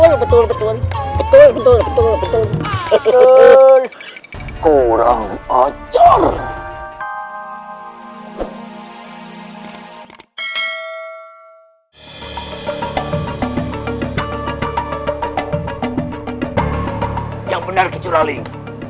betul betul betul betul betul betul kurang acar yang benar kecuraling